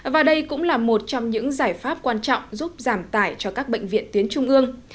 và đây cũng là một trong những giải pháp quan trọng giúp giảm tải cho các bệnh viện tuyến trung ương